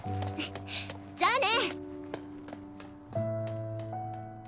じゃあね！